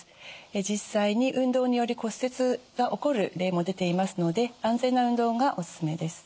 実際に運動により骨折が起こる例も出ていますので安全な運動がおすすめです。